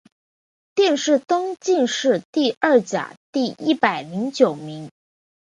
殿试登进士第二甲第一百零九名。